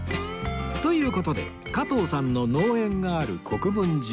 という事で加藤さんの農園がある国分寺へ